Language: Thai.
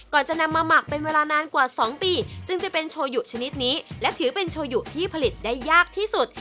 จะนำมาหมักเป็นเวลานานกว่า๒ปีจึงจะเป็นโชยุชนิดนี้และถือเป็นโชยุที่ผลิตได้ยากที่สุด